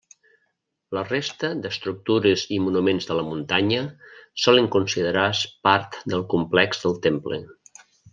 La resta d'estructures i monuments de la muntanya solen considerar-se part del complex del temple.